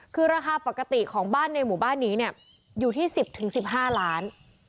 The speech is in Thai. คือราคาปกติของบ้านในหมู่บ้านนี้เนี่ยอยู่ที่๑๐๑๕ล้าน